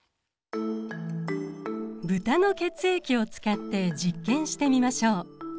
ブタの血液を使って実験してみましょう。